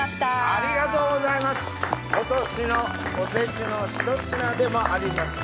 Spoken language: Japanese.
今年のおせちのひと品でもあります